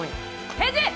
返事！